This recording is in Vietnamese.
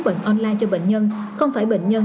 bệnh online cho bệnh nhân không phải bệnh nhân